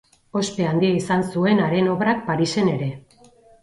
Ospe handia izan zuen haren obrak Parisen ere.